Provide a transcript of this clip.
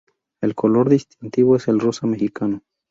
El color distintivo es el rosa mexicano.